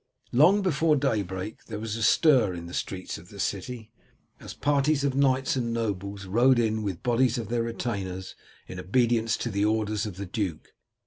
Long before daybreak there was a stir in the streets of the city, as parties of knights and nobles rode in with bodies of their retainers in obedience to the orders of the duke.